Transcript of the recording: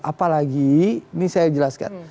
apalagi ini saya jelaskan